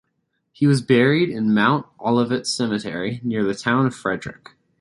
He was buried in Mount Olivet cemetery near the town of Frederick.